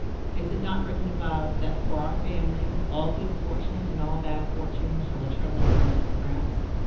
Is it not written above, that, for our family, all good fortune and all bad fortune shall eternally come from France?